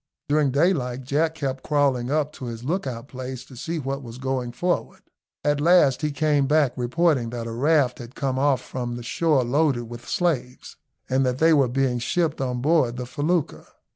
During daylight Jack kept crawling up to his lookout place to see what was going forward. At last he came back reporting that a raft had come off from the shore loaded with slaves, and that they were being shipped on board the felucca.